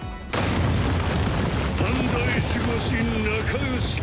三大守護神仲良しこよし。